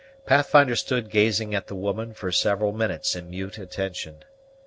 Pathfinder stood gazing at the woman for several minutes in mute attention.